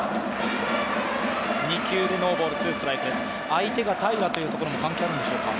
相手が平良というところも関係あるんでしょうか。